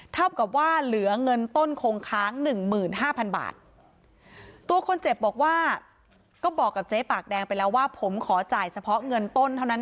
เท่ากับว่าเหลือเงินต้นคงค้าง๑๕๐๐๐บาท